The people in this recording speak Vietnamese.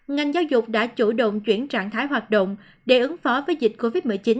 ngành giáo dục đã chủ động chuyển trạng thái hoạt động để ứng phó với dịch covid một mươi chín